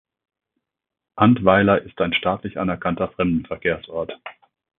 Antweiler ist ein staatlich anerkannter Fremdenverkehrsort.